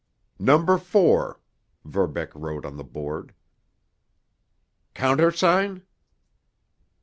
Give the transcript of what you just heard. "Number Four," Verbeck wrote on the board. "Countersign?"